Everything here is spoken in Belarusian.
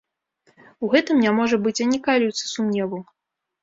У гэтым не можа быць ані каліўца сумневу.